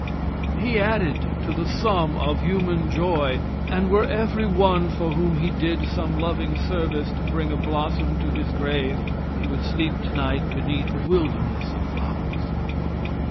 He added to the sum of human joy, and were every one for whom he did some loving service to bring a blossom to his grave he would sleep tonight beneath a wilderness of flowers.